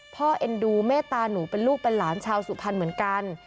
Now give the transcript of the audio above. เอ็นดูเมตตาหนูเป็นลูกเป็นหลานชาวสุพรรณเหมือนกัน